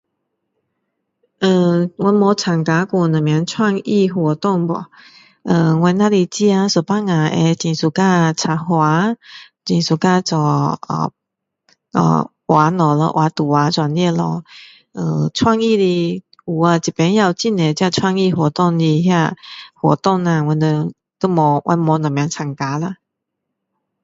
呃我没有参加过什么创意活动 boh 呃我只是自己有时候会很喜欢插花很喜欢做画东西咯画图画这样子咯呃创意的有呀这边也有很多这创意活动那个活动呀我们都没有什么参加啦